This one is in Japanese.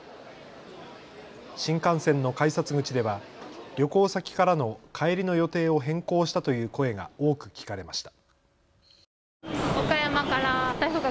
新幹線の改札口では旅行先からの帰りの予定を変更したという声が多く聞かれました。